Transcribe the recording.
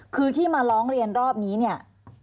คือที่มาร้องเรียนรอบนี้เนี่ย